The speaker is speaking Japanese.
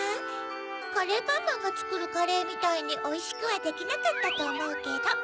カレーパンマンがつくるカレーみたいにおいしくはできなかったとおもうけど。